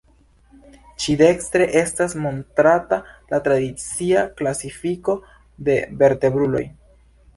Ĉi-dekstre estas montrata la tradicia klasifiko de vertebruloj.